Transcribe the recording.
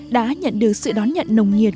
đã nhận được sự đón nhận nồng nhiệt